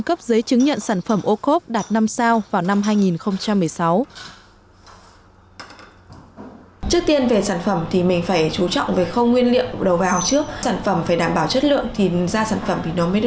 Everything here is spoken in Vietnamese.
cấp giấy chứng nhận sản phẩm ô khốp đạt năm sao vào năm hai nghìn một mươi sáu